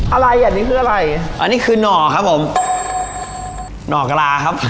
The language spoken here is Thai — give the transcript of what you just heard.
อะไรอันนี้คืออะไรอันนี้คือหน่อครับผมหน่อกลาครับผม